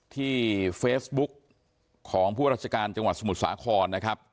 ที่เฟซบุ๊กของผู้ราชการจังหวัดสมุทรสาครนะครับ